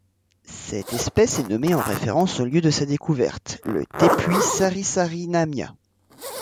Cette espèce est nommée en référence au lieu de sa découverte, le tepuy Sarisariñama.